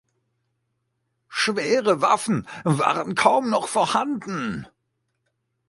Schwere Waffen waren kaum noch vorhanden.